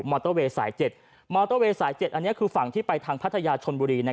อเตอร์เวย์สาย๗มอเตอร์เวย์สาย๗อันนี้คือฝั่งที่ไปทางพัทยาชนบุรี